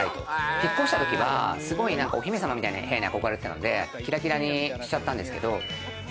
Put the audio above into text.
引っ越したときは、お姫様みたいな部屋に憧れてたんでキラキラにしちゃったんですけど。